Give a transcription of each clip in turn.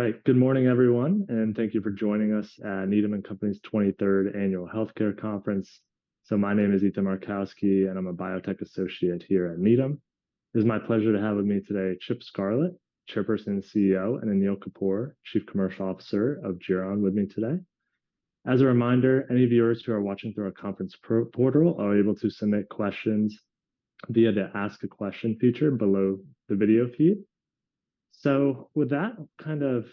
All right, good morning, everyone, and thank you for joining us at Needham & Company's 23rd Annual Healthcare Conference. So my name is Ethan Markowski, and I'm a biotech associate here at Needham. It is my pleasure to have with me today Chip Scarlett, Chairperson and CEO, and Anil Kapur, Chief Commercial Officer of Geron, with me today. As a reminder, any viewers who are watching through our conference portal are able to submit questions via the Ask a Question feature below the video feed. So with that, kind of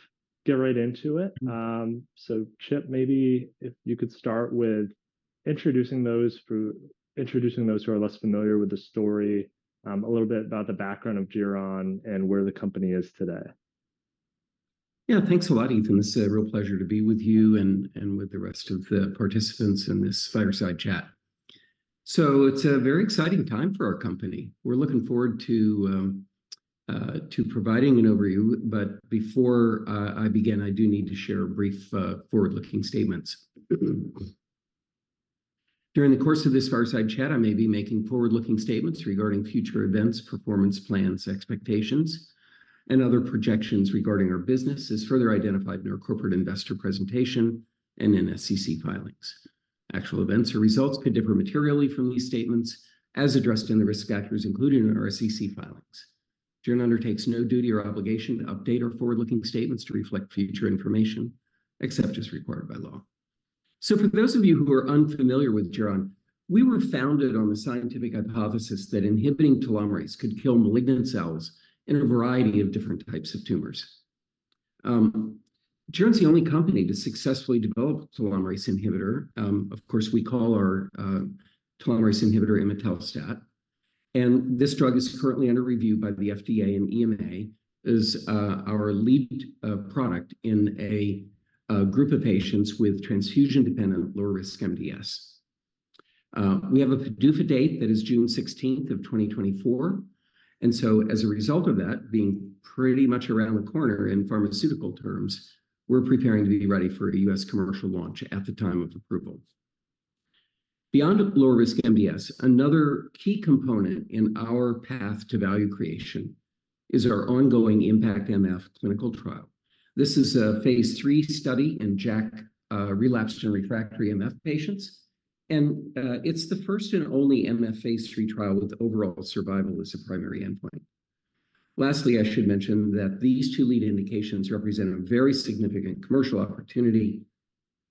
get right into it. So Chip, maybe if you could start with introducing those who are less familiar with the story a little bit about the background of Geron and where the company is today. Yeah, thanks a lot, Ethan. It's a real pleasure to be with you and with the rest of the participants in this fireside chat. So it's a very exciting time for our company. We're looking forward to providing an overview, but before I begin, I do need to share brief forward-looking statements. During the course of this fireside chat, I may be making forward-looking statements regarding future events, performance plans, expectations, and other projections regarding our business as further identified in our corporate investor presentation and in SEC filings. Actual events or results could differ materially from these statements as addressed in the risk factors included in our SEC filings. Geron undertakes no duty or obligation to update our forward-looking statements to reflect future information, except as required by law. So for those of you who are unfamiliar with Geron, we were founded on the scientific hypothesis that inhibiting telomerase could kill malignant cells in a variety of different types of tumors. Geron is the only company to successfully develop telomerase inhibitor. Of course, we call our telomerase inhibitor imetelstat. And this drug is currently under review by the FDA and EMA. It is our lead product in a group of patients with transfusion-dependent low-risk MDS. We have a PDUFA date that is June 16, 2024. And so as a result of that, being pretty much around the corner in pharmaceutical terms, we're preparing to be ready for a US commercial launch at the time of approval. Beyond low-risk MDS, another key component in our path to value creation is our ongoing IMpactMF clinical trial. This is a phase III study in JAK relapsed and refractory MF patients. It's the first and only MF phase III trial with overall survival as a primary endpoint. Lastly, I should mention that these two lead indications represent a very significant commercial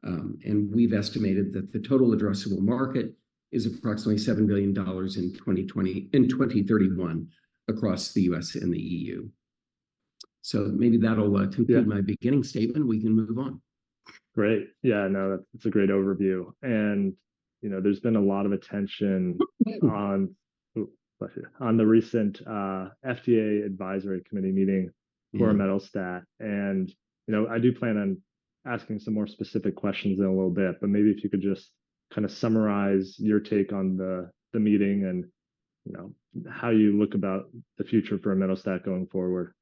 opportunity. We've estimated that the total addressable market is approximately $7 billion in 2031 across the U.S. and the EU. Maybe that'll complete my beginning statement. We can move on. Great. Yeah, no, that's a great overview. There's been a lot of attention on the recent FDA advisory committee meeting for imetelstat. I do plan on asking some more specific questions in a little bit, but maybe if you could just kind of summarize your take on the meeting and how you look about the future for imetelstat going forward.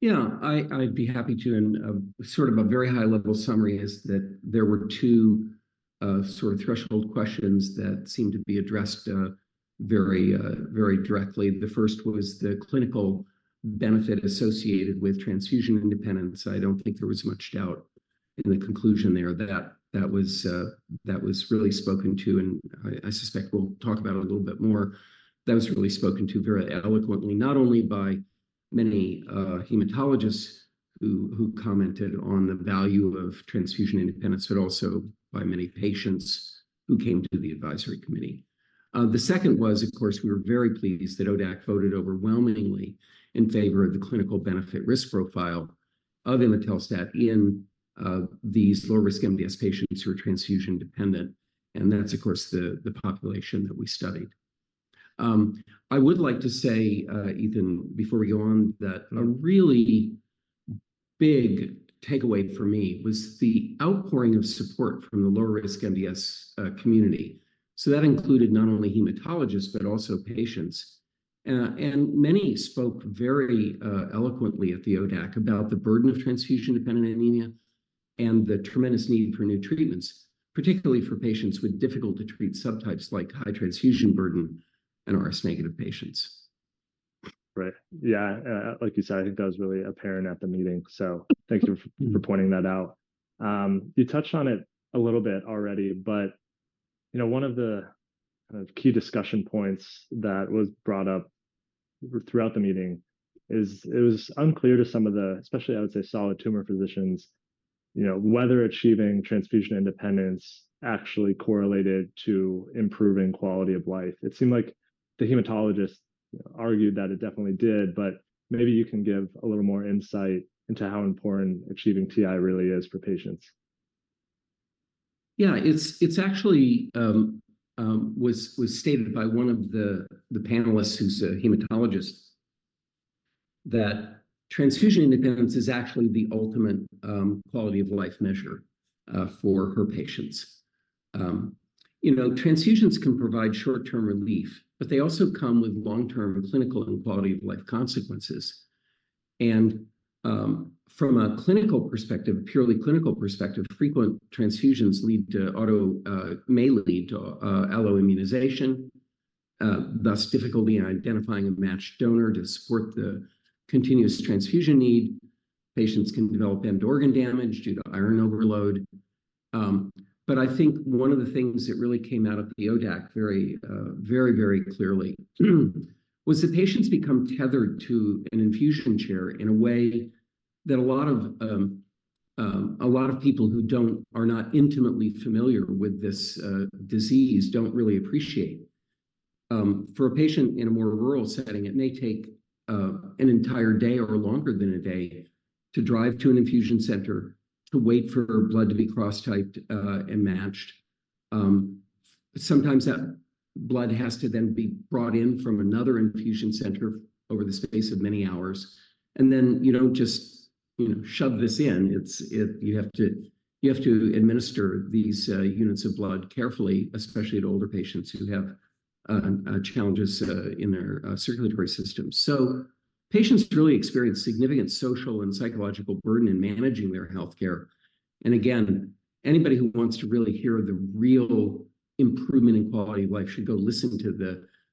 Yeah, I'd be happy to. Sort of a very high-level summary is that there were two sort of threshold questions that seemed to be addressed very directly. The first was the clinical benefit associated with transfusion independence. I don't think there was much doubt in the conclusion there that that was really spoken to. I suspect we'll talk about it a little bit more. That was really spoken to very eloquently, not only by many hematologists who commented on the value of transfusion independence, but also by many patients who came to the advisory committee. The second was, of course, we were very pleased that ODAC voted overwhelmingly in favor of the clinical benefit risk profile of imetelstat in these low-risk MDS patients who are transfusion dependent. That's, of course, the population that we studied. I would like to say, Ethan, before we go on, that a really big takeaway for me was the outpouring of support from the low-risk MDS community. That included not only hematologists, but also patients. Many spoke very eloquently at the ODAC about the burden of transfusion-dependent anemia and the tremendous need for new treatments, particularly for patients with difficult-to-treat subtypes like high transfusion burden and RS-negative patients. Right. Yeah, like you said, I think that was really apparent at the meeting. So thank you for pointing that out. You touched on it a little bit already, but one of the kind of key discussion points that was brought up throughout the meeting is it was unclear to some of the, especially, I would say, solid tumor physicians, whether achieving transfusion independence actually correlated to improving quality of life. It seemed like the hematologists argued that it definitely did, but maybe you can give a little more insight into how important achieving TI really is for patients. Yeah, it's actually stated by one of the panelists who's a hematologist that transfusion independence is actually the ultimate quality of life measure for her patients. Transfusions can provide short-term relief, but they also come with long-term clinical and quality-of-life consequences. And from a clinical perspective, a purely clinical perspective, frequent transfusions may lead to alloimmunization, thus difficulty in identifying a matched donor to support the continuous transfusion need. Patients can develop end-organ damage due to iron overload. But I think one of the things that really came out at the ODAC very, very, very clearly was that patients become tethered to an infusion chair in a way that a lot of people who are not intimately familiar with this disease don't really appreciate. For a patient in a more rural setting, it may take an entire day or longer than a day to drive to an infusion center to wait for blood to be cross-matched. Sometimes that blood has to then be brought in from another infusion center over the space of many hours. And then you don't just shove this in. You have to administer these units of blood carefully, especially at older patients who have challenges in their circulatory system. So patients really experience significant social and psychological burden in managing their healthcare. And again, anybody who wants to really hear the real improvement in quality of life should go listen to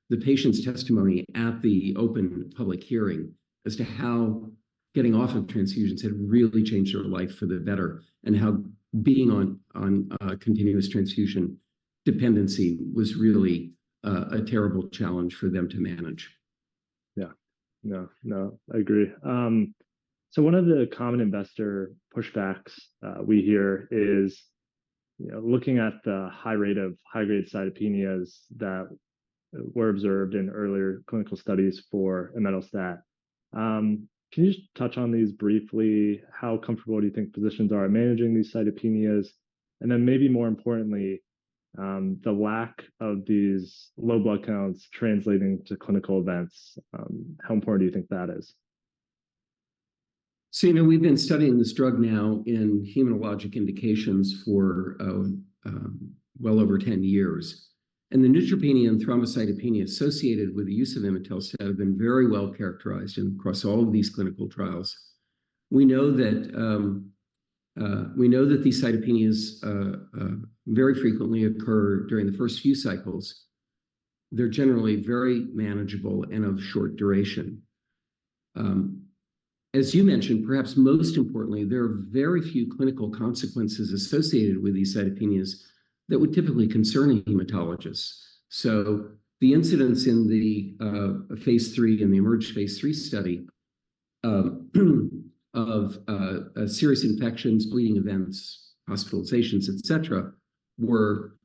the patient's testimony at the open public hearing as to how getting off of transfusions had really changed their life for the better and how being on continuous transfusion dependency was really a terrible challenge for them to manage. Yeah. No, no, I agree. So one of the common investor pushbacks we hear is looking at the high rate of high-grade cytopenias that were observed in earlier clinical studies for imetelstat. Can you just touch on these briefly? How comfortable do you think physicians are at managing these cytopenias? And then maybe more importantly, the lack of these low blood counts translating to clinical events, how important do you think that is? So we've been studying this drug now in hematologic indications for well over 10 years. And the neutropenia and thrombocytopenia associated with the use of imetelstat have been very well characterized across all of these clinical trials. We know that these cytopenias very frequently occur during the first few cycles. They're generally very manageable and of short duration. As you mentioned, perhaps most importantly, there are very few clinical consequences associated with these cytopenias that would typically concern a hematologist. So the incidence in the IMerge phase III study of serious infections, bleeding events, hospitalizations, etc., were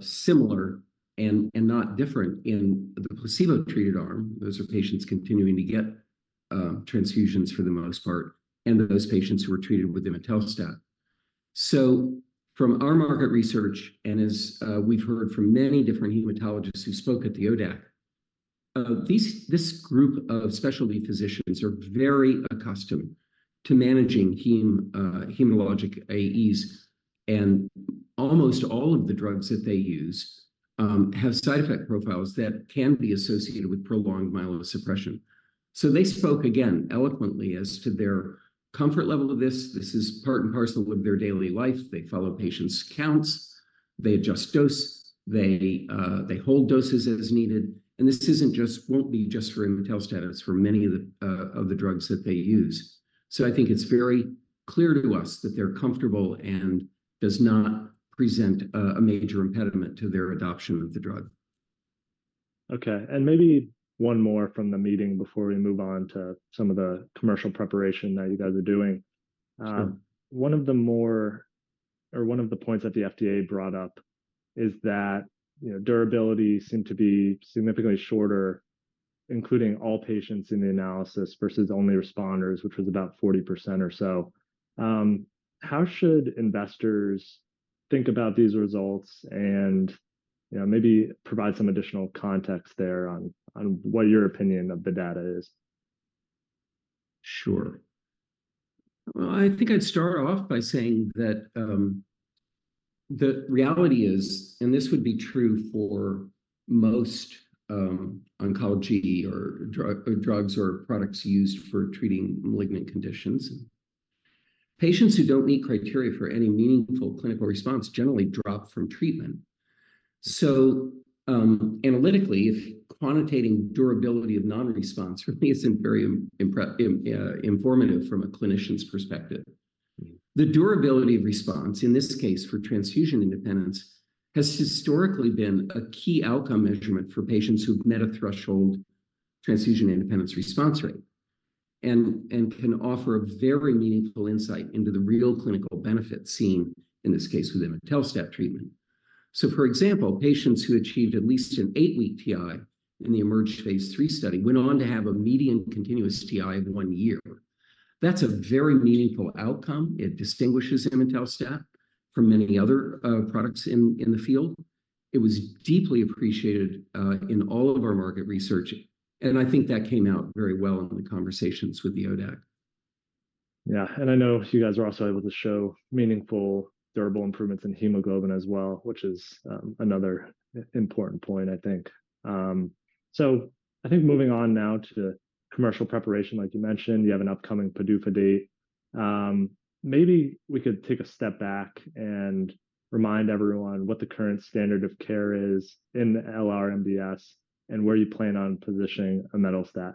similar and not different in the placebo-treated arm. Those are patients continuing to get transfusions for the most part, and those patients who were treated with imetelstat. So from our market research and as we've heard from many different hematologists who spoke at the ODAC, this group of specialty physicians are very accustomed to managing hematologic AEs. And almost all of the drugs that they use have side effect profiles that can be associated with prolonged myelosuppression. So they spoke again eloquently as to their comfort level of this. This is part and parcel of their daily life. They follow patients' counts. They adjust dose. They hold doses as needed. And this won't be just for imetelstat. It's for many of the drugs that they use. So I think it's very clear to us that they're comfortable and does not present a major impediment to their adoption of the drug. Okay, and maybe one more from the meeting before we move on to some of the commercial preparation that you guys are doing. One of the points that the FDA brought up is that durability seemed to be significantly shorter, including all patients in the analysis versus only responders, which was about 40% or so. How should investors think about these results and maybe provide some additional context there on what your opinion of the data is? Sure. Well, I think I'd start off by saying that the reality is, and this would be true for most oncology or drugs or products used for treating malignant conditions, patients who don't meet criteria for any meaningful clinical response generally drop from treatment. So analytically, if quantitating durability of non-response really isn't very informative from a clinician's perspective, the durability of response, in this case for transfusion independence, has historically been a key outcome measurement for patients who've met a threshold transfusion independence response rate and can offer a very meaningful insight into the real clinical benefit seen, in this case, with imetelstat treatment. So, for example, patients who achieved at least an eight-week TI in the IMerge phase III study went on to have a median continuous TI of one year. That's a very meaningful outcome. It distinguishes imetelstat from many other products in the field. It was deeply appreciated in all of our market research. I think that came out very well in the conversations with the ODAC. Yeah, and I know you guys are also able to show meaningful, durable improvements in hemoglobin as well, which is another important point, I think. So I think moving on now to commercial preparation, like you mentioned, you have an upcoming PDUFA date. Maybe we could take a step back and remind everyone what the current standard of care is in the LR-MDS and where you plan on positioning imetelstat.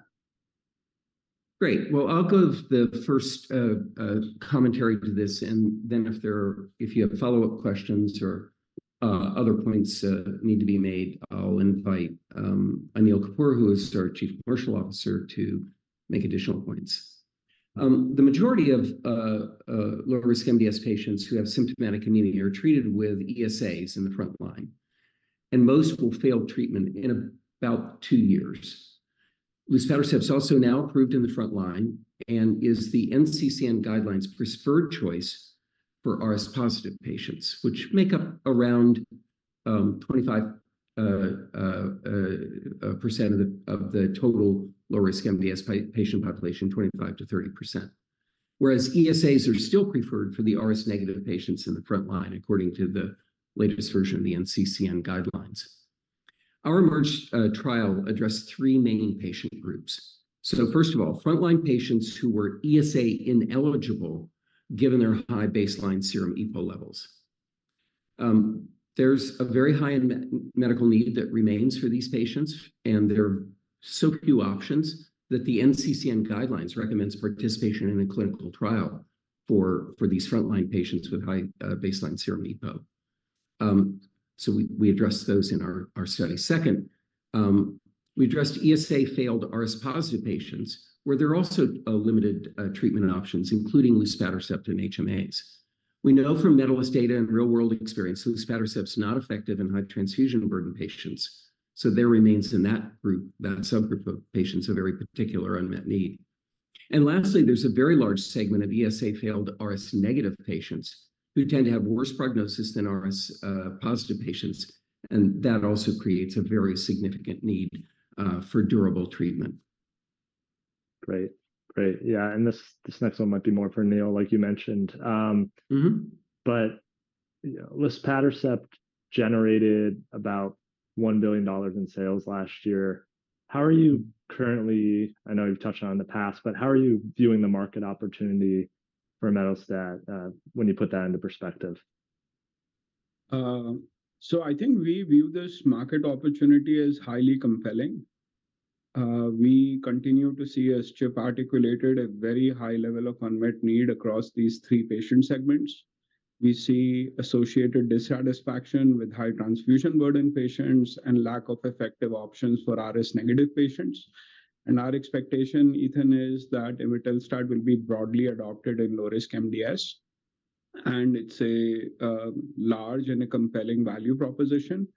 Great. Well, I'll give the first commentary to this. And then if you have follow-up questions or other points need to be made, I'll invite Anil Kapur, who is our Chief Commercial Officer, to make additional points. The majority of low-risk MDS patients who have symptomatic anemia are treated with ESAs in the front line. And most will fail treatment in about two years. Luspatercept is also now approved in the front line and is the NCCN guidelines' preferred choice for RS-positive patients, which make up around 25% of the total low-risk MDS patient population, 25%-30%. Whereas ESAs are still preferred for the RS-negative patients in the front line, according to the latest version of the NCCN guidelines. Our IMerge trial addressed three main patient groups. So, first of all, front-line patients who were ESA ineligible given their high baseline serum EPO levels. There's a very high medical need that remains for these patients. There are so few options that the NCCN guidelines recommend participation in a clinical trial for these front-line patients with high baseline serum EPO. We addressed those in our study. Second, we addressed ESA-failed RS-positive patients, where there are also limited treatment options, including luspatercept and HMAs. We know from MEDALIST data and real-world experience, luspatercept is not effective in high transfusion burden patients. There remains in that group, that subgroup of patients, a very particular unmet need. Lastly, there's a very large segment of ESA-failed RS-negative patients who tend to have worse prognosis than RS-positive patients. That also creates a very significant need for durable treatment. Great, great. Yeah, and this next one might be more for Anil, like you mentioned. But luspatercept generated about $1 billion in sales last year. How are you currently, I know you've touched on it in the past, but how are you viewing the market opportunity for imetelstat when you put that into perspective? So I think we view this market opportunity as highly compelling. We continue to see, as Chip articulated, a very high level of unmet need across these three patient segments. We see associated dissatisfaction with high transfusion burden patients and lack of effective options for RS-negative patients. And our expectation, Ethan, is that imetelstat will be broadly adopted in low-risk MDS. And it's a large and a compelling value proposition.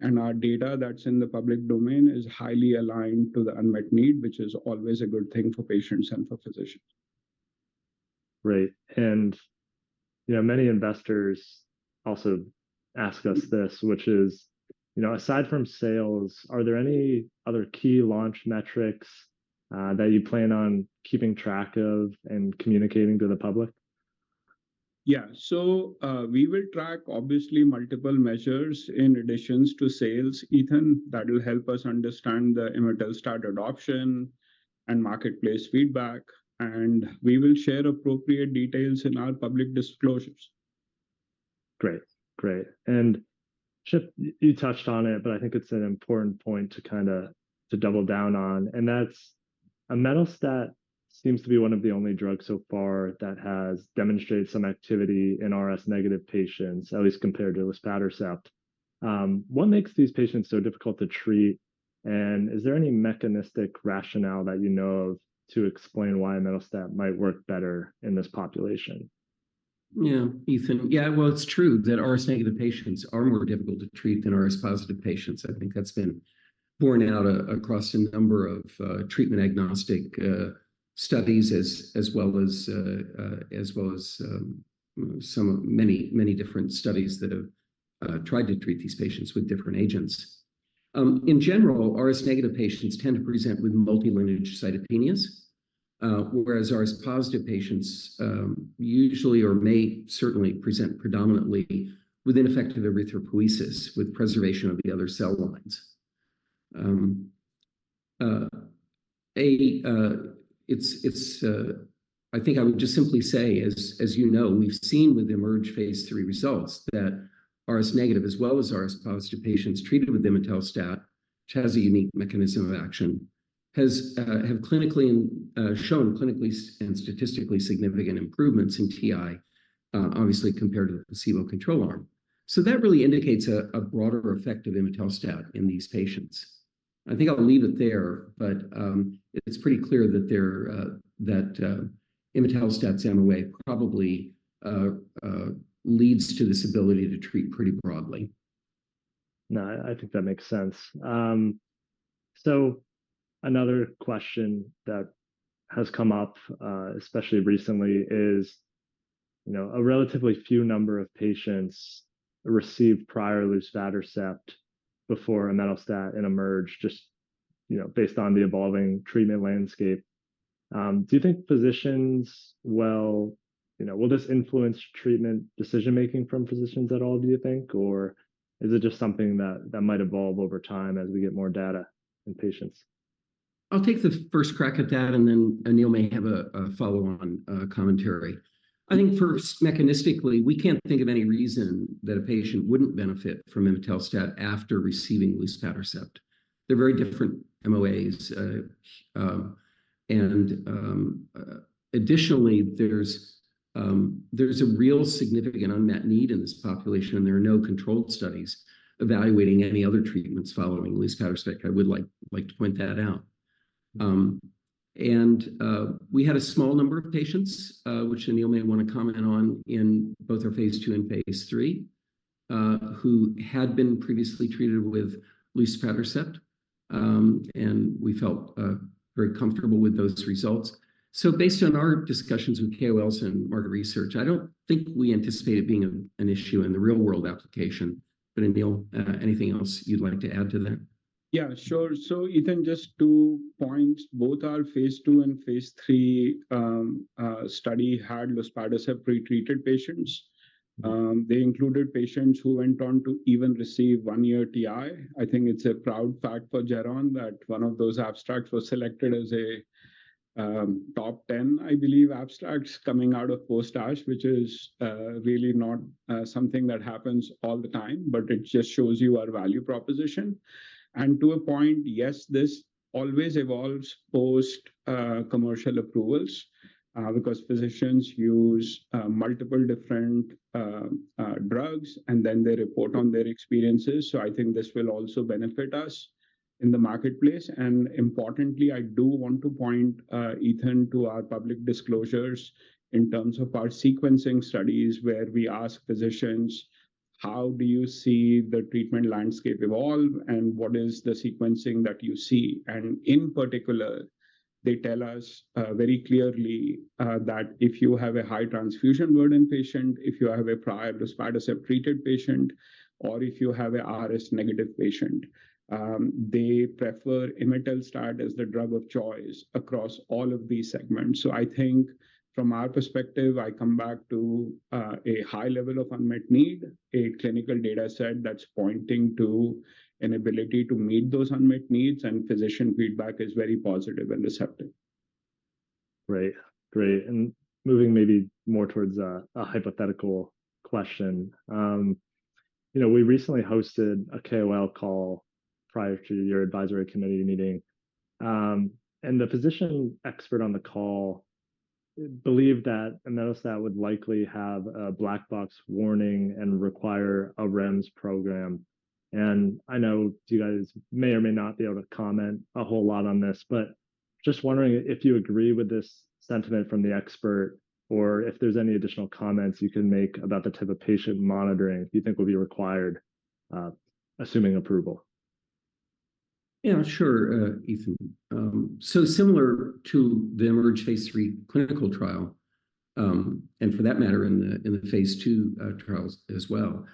And our data that's in the public domain is highly aligned to the unmet need, which is always a good thing for patients and for physicians. Great. Many investors also ask us this, which is, aside from sales, are there any other key launch metrics that you plan on keeping track of and communicating to the public? Yeah, so we will track, obviously, multiple measures in addition to sales, Ethan, that will help us understand the imetelstat adoption and marketplace feedback. We will share appropriate details in our public disclosures. Great, great. And Chip, you touched on it, but I think it's an important point to kind of double down on. And imetelstat seems to be one of the only drugs so far that has demonstrated some activity in RS-negative patients, at least compared to luspatercept. What makes these patients so difficult to treat? And is there any mechanistic rationale that you know of to explain why imetelstat might work better in this population? Yeah, Ethan. Yeah, well, it's true that RS-negative patients are more difficult to treat than RS-positive patients. I think that's been borne out across a number of treatment-agnostic studies as well as many different studies that have tried to treat these patients with different agents. In general, RS-negative patients tend to present with multilineage cytopenias, whereas RS-positive patients usually or may certainly present predominantly with ineffective erythropoiesis with preservation of the other cell lines. I think I would just simply say, as you know, we've seen with IMerge phase III results that RS-negative, as well as RS-positive patients treated with imetelstat, which has a unique mechanism of action, have shown clinically and statistically significant improvements in TI, obviously, compared to the placebo control arm. So that really indicates a broader effect of imetelstat in these patients. I think I'll leave it there, but it's pretty clear that imetelstat's MOA probably leads to this ability to treat pretty broadly. No, I think that makes sense. So another question that has come up, especially recently, is a relatively few number of patients received prior luspatercept before imetelstat and IMerge, just based on the evolving treatment landscape. Do you think this will influence treatment decision-making from physicians at all, do you think? Or is it just something that might evolve over time as we get more data in patients? I'll take the first crack at that, and then Anil may have a follow-on commentary. I think first, mechanistically, we can't think of any reason that a patient wouldn't benefit from imetelstat after receiving luspatercept. They're very different MOAs. And additionally, there's a real significant unmet need in this population, and there are no controlled studies evaluating any other treatments following luspatercept. I would like to point that out. And we had a small number of patients, which Anil may want to comment on, in both our phase II and phase III, who had been previously treated with luspatercept. And we felt very comfortable with those results. So based on our discussions with KOLs and market research, I don't think we anticipate it being an issue in the real-world application. But Anil, anything else you'd like to add to that? Yeah, sure. So, Ethan, just two points. Both our phase II and phase III study had luspatercept pretreated patients. They included patients who went on to even receive 1-year TI. I think it's a proud fact for Geron that one of those abstracts was selected as a top 10, I believe, abstracts coming out of post-ASH, which is really not something that happens all the time, but it just shows you our value proposition. And to a point, yes, this always evolves post-commercial approvals because physicians use multiple different drugs, and then they report on their experiences. So I think this will also benefit us in the marketplace. And importantly, I do want to point, Ethan, to our public disclosures in terms of our sequencing studies where we ask physicians, "How do you see the treatment landscape evolve? And what is the sequencing that you see?" In particular, they tell us very clearly that if you have a high transfusion burden patient, if you have a prior luspatercept treated patient, or if you have an RS-negative patient, they prefer imetelstat as the drug of choice across all of these segments. So I think from our perspective, I come back to a high level of unmet need, a clinical data set that's pointing to an ability to meet those unmet needs, and physician feedback is very positive and receptive. Great, great. And moving maybe more towards a hypothetical question. We recently hosted a KOL call prior to your advisory committee meeting. And the physician expert on the call believed that imetelstat would likely have a black box warning and require a REMS program. And I know you guys may or may not be able to comment a whole lot on this, but just wondering if you agree with this sentiment from the expert, or if there's any additional comments you can make about the type of patient monitoring you think will be required, assuming approval. Yeah, sure, Ethan. So similar to the IMerge phase III clinical trial, and for that matter, in the phase II trials as well,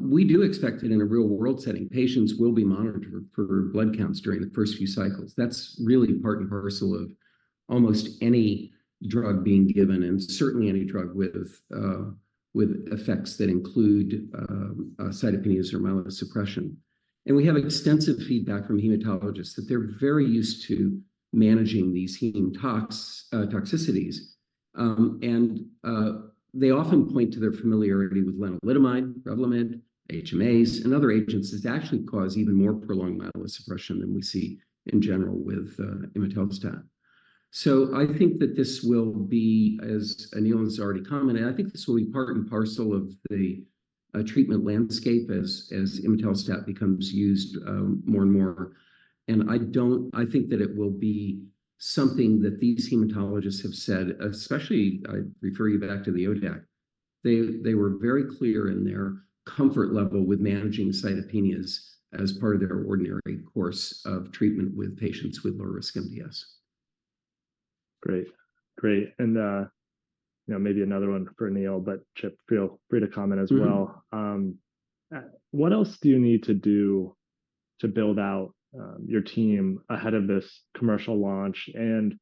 we do expect that in a real-world setting, patients will be monitored for blood counts during the first few cycles. That's really part and parcel of almost any drug being given, and certainly any drug with effects that include cytopenias or myelosuppression. And we have extensive feedback from hematologists that they're very used to managing these heme toxicities. And they often point to their familiarity with lenalidomide, Revlimid, HMAs, and other agents that actually cause even more prolonged myelosuppression than we see in general with imetelstat. So I think that this will be, as Anil has already commented, I think this will be part and parcel of the treatment landscape as imetelstat becomes used more and more. I think that it will be something that these hematologists have said, especially, I refer you back to the ODAC. They were very clear in their comfort level with managing cytopenias as part of their ordinary course of treatment with patients with low-risk MDS. Great, great. And maybe another one for Anil, but Chip, feel free to comment as well. What else do you need to do to build out your team ahead of this commercial launch? And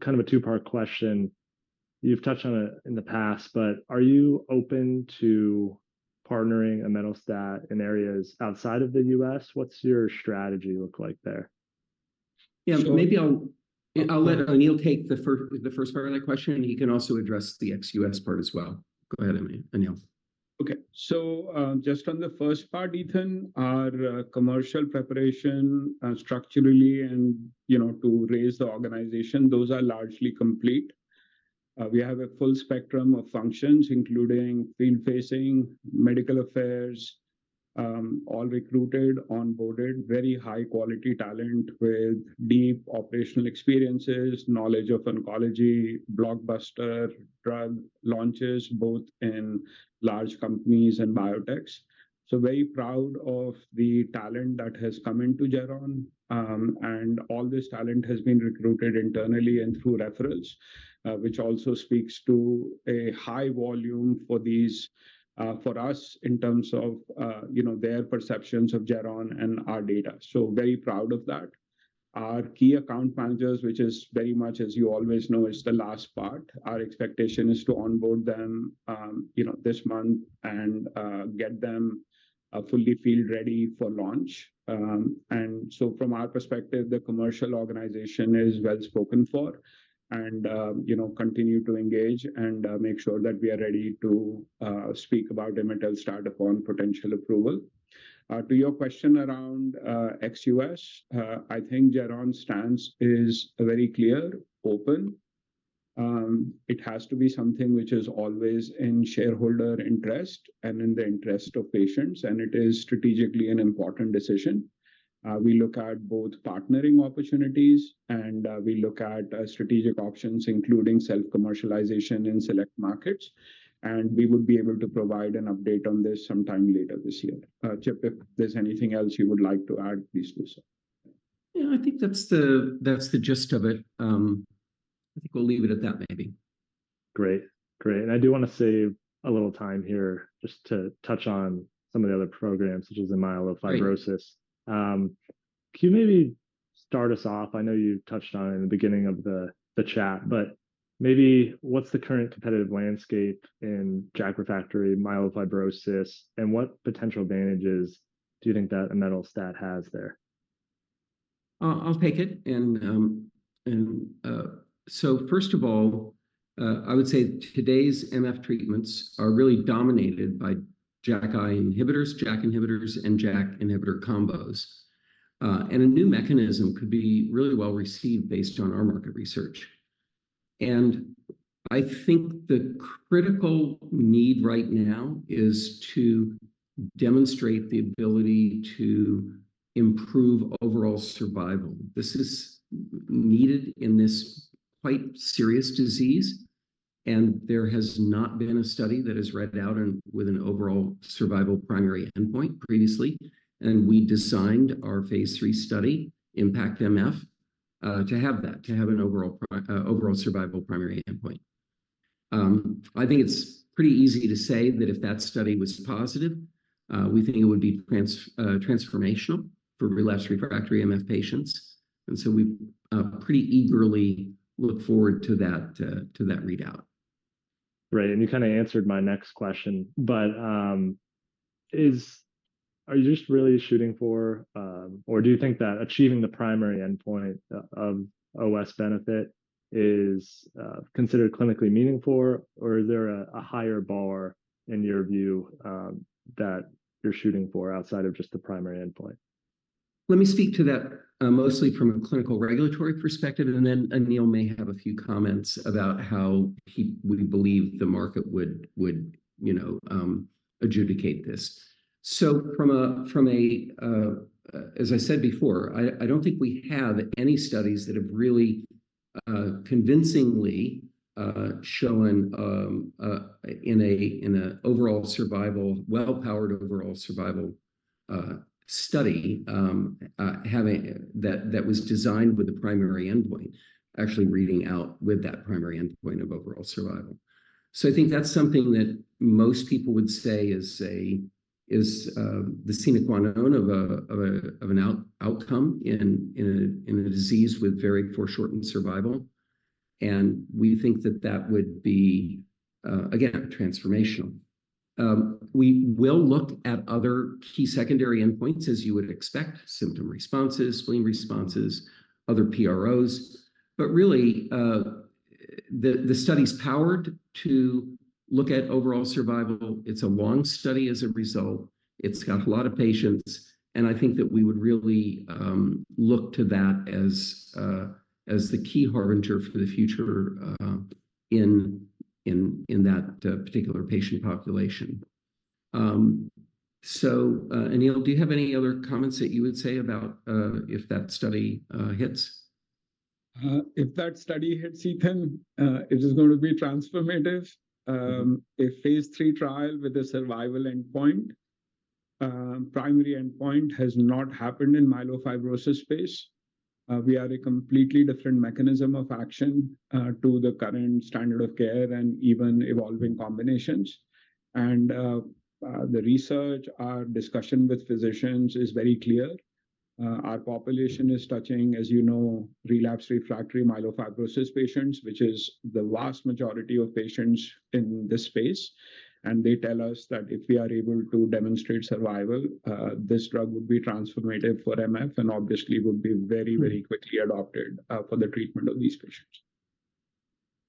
kind of a two-part question. You've touched on it in the past, but are you open to partnering imetelstat in areas outside of the US? What's your strategy look like there? Yeah, maybe I'll let Anil take the first part of that question. He can also address the ex-US part as well. Go ahead, Anil. Okay, so just on the first part, Ethan, our commercial preparation structurally and to raise the organization, those are largely complete. We have a full spectrum of functions, including field facing, medical affairs, all recruited, onboarded, very high-quality talent with deep operational experiences, knowledge of oncology, blockbuster drug launches, both in large companies and biotechs. So very proud of the talent that has come into Geron. And all this talent has been recruited internally and through referrals, which also speaks to a high volume for us in terms of their perceptions of Geron and our data. So very proud of that. Our key account managers, which is very much, as you always know, is the last part. Our expectation is to onboard them this month and get them fully field-ready for launch. From our perspective, the commercial organization is well spoken for and continue to engage and make sure that we are ready to speak about imetelstat upon potential approval. To your question around ex-US, I think Geron's stance is very clear, open. It has to be something which is always in shareholder interest and in the interest of patients. It is strategically an important decision. We look at both partnering opportunities, and we look at strategic options, including self-commercialization in select markets. We would be able to provide an update on this sometime later this year. Chip, if there's anything else you would like to add, please do so. Yeah, I think that's the gist of it. I think we'll leave it at that, maybe. Great, great. And I do want to save a little time here just to touch on some of the other programs, such as the myelofibrosis. Can you maybe start us off? I know you touched on it in the beginning of the chat, but maybe what's the current competitive landscape in JAK inhibitor myelofibrosis, and what potential advantages do you think that imetelstat has there? I'll take it. So first of all, I would say today's MF treatments are really dominated by JAKi inhibitors, JAK inhibitors, and JAK inhibitor combos. A new mechanism could be really well received based on our market research. I think the critical need right now is to demonstrate the ability to improve overall survival. This is needed in this quite serious disease. There has not been a study that is read out with an overall survival primary endpoint previously. We designed our phase III study, IMpactMF, to have that, to have an overall survival primary endpoint. I think it's pretty easy to say that if that study was positive, we think it would be transformational for relapsed/refractory MF patients. So we pretty eagerly look forward to that readout. Great. And you kind of answered my next question. But are you just really shooting for, or do you think that achieving the primary endpoint of OS benefit is considered clinically meaningful, or is there a higher bar in your view that you're shooting for outside of just the primary endpoint? Let me speak to that mostly from a clinical regulatory perspective. And then Anil may have a few comments about how we believe the market would adjudicate this. So from a, as I said before, I don't think we have any studies that have really convincingly shown in an overall survival, well-powered overall survival study that was designed with the primary endpoint, actually reading out with that primary endpoint of overall survival. So I think that's something that most people would say is the sine qua non of an outcome in a disease with very foreshortened survival. And we think that that would be, again, transformational. We will look at other key secondary endpoints, as you would expect, symptom responses, spleen responses, other PROs. But really, the study's powered to look at overall survival. It's a long study as a result. It's got a lot of patients. I think that we would really look to that as the key harbinger for the future in that particular patient population. Anil, do you have any other comments that you would say about if that study hits? If that study hits, Ethan, it is going to be transformative. A phase III trial with a survival endpoint, primary endpoint has not happened in myelofibrosis space. We are a completely different mechanism of action to the current standard of care and even evolving combinations. The research, our discussion with physicians is very clear. Our population is targeting, as you know, relapsed/refractory myelofibrosis patients, which is the vast majority of patients in this space. They tell us that if we are able to demonstrate survival, this drug would be transformative for MF and obviously would be very, very quickly adopted for the treatment of these patients.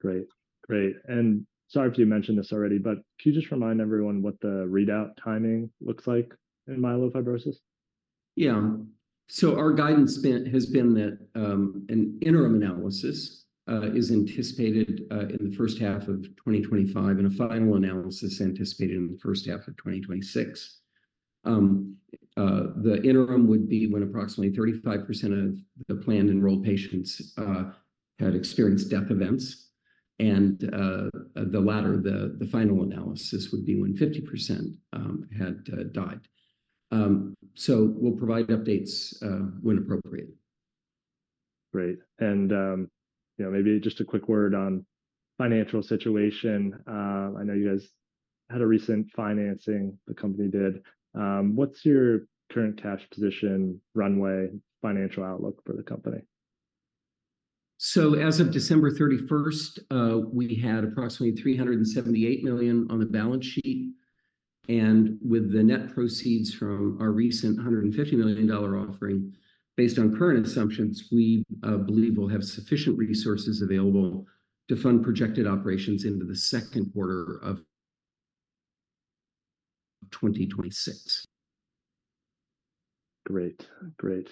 Great, great. Sorry if you mentioned this already, but can you just remind everyone what the readout timing looks like in myelofibrosis? Yeah. Our guidance has been that an interim analysis is anticipated in the first half of 2025 and a final analysis anticipated in the first half of 2026. The interim would be when approximately 35% of the planned enrolled patients had experienced death events. The latter, the final analysis would be when 50% had died. We'll provide updates when appropriate. Great. Maybe just a quick word on financial situation. I know you guys had a recent financing, the company did. What's your current cash position runway, financial outlook for the company? As of December 31st, we had approximately $378 million on the balance sheet. With the net proceeds from our recent $150 million offering, based on current assumptions, we believe we'll have sufficient resources available to fund projected operations into the Q2 of 2026. Great, great.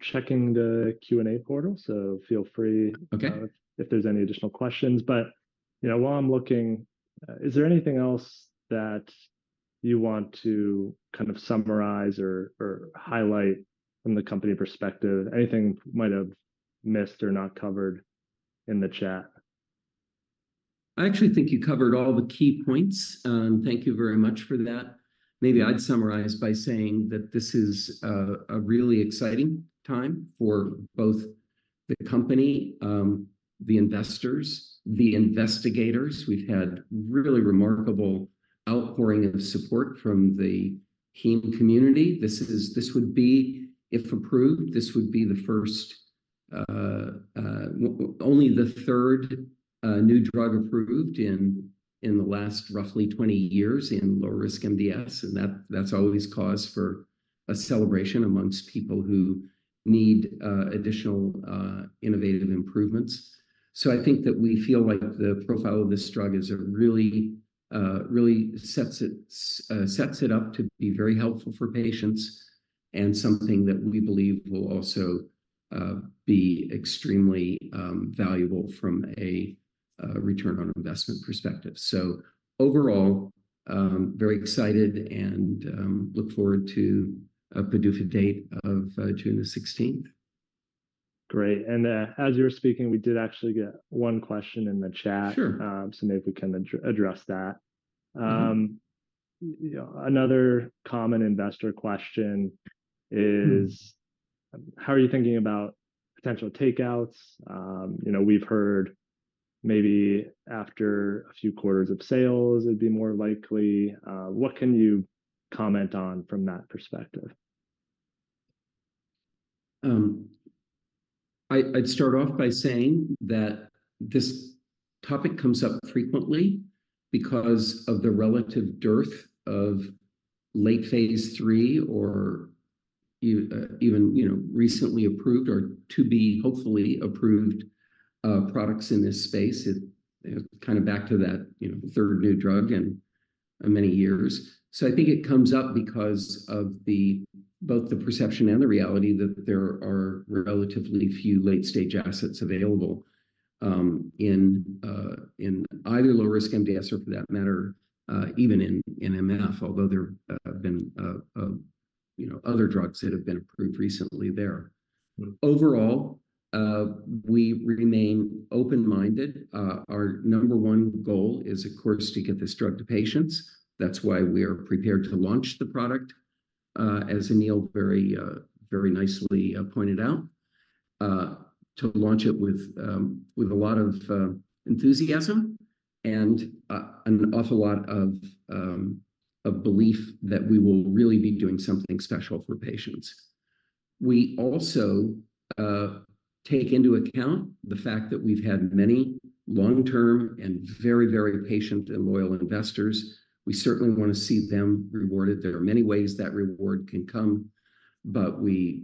Checking the Q&A portal, so feel free if there's any additional questions. While I'm looking, is there anything else that you want to kind of summarize or highlight from the company perspective, anything we might have missed or not covered in the chat? I actually think you covered all the key points. Thank you very much for that. Maybe I'd summarize by saying that this is a really exciting time for both the company, the investors, the investigators. We've had really remarkable outpouring of support from the heme community. This would be, if approved, this would be the first, only the third new drug approved in the last roughly 20 years in low-risk MDS. That's always cause for a celebration amongst people who need additional innovative improvements. So I think that we feel like the profile of this drug really sets it up to be very helpful for patients and something that we believe will also be extremely valuable from a return on investment perspective. Overall, very excited and look forward to a PDUFA date of June the 16th. Great. And as you were speaking, we did actually get one question in the chat. So maybe we can address that. Another common investor question is, how are you thinking about potential takeouts? We've heard maybe after a few quarters of sales, it'd be more likely. What can you comment on from that perspective? I'd start off by saying that this topic comes up frequently because of the relative dearth of late phase III or even recently approved or to be hopefully approved products in this space. It's kind of back to that third new drug in many years. So I think it comes up because of both the perception and the reality that there are relatively few late-stage assets available in either low-risk MDS or, for that matter, even in MF, although there have been other drugs that have been approved recently there. Overall, we remain open-minded. Our number one goal is, of course, to get this drug to patients. That's why we are prepared to launch the product, as Anil very nicely pointed out, to launch it with a lot of enthusiasm and an awful lot of belief that we will really be doing something special for patients. We also take into account the fact that we've had many long-term and very, very patient and loyal investors. We certainly want to see them rewarded. There are many ways that reward can come. But we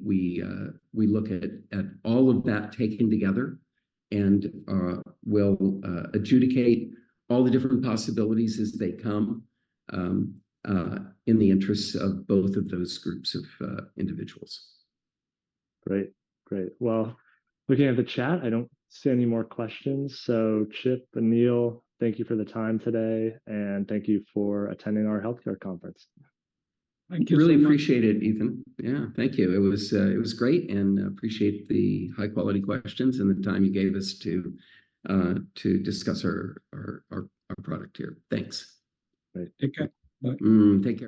look at all of that taken together and will adjudicate all the different possibilities as they come in the interests of both of those groups of individuals. Great, great. Well, looking at the chat, I don't see any more questions. So Chip, Anil, thank you for the time today. Thank you for attending our healthcare conference. Thank you. Really appreciate it, Ethan. Yeah, thank you. It was great. And appreciate the high-quality questions and the time you gave us to discuss our product here. Thanks. Right. Take care. Bye. Take care.